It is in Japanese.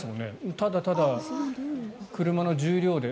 ただただ車の重量で。